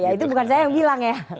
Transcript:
itu bukan saya yang bilang ya